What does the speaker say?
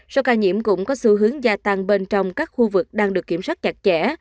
số ca nhiễm cũng có xu hướng gia tăng bên trong các khu vực đang được kiểm soát chặt chẽ